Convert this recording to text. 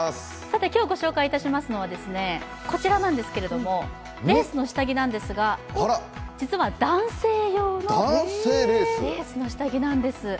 今日ご紹介いたしますのは、こちらなんですけれども、レースの下着ですが実は男性用のレースの下着なんです。